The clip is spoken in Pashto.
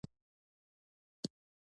افغان نېشنلېزم پخوا جهل و.